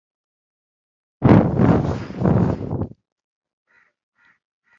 nye umri wa miaka arobaini na mitatu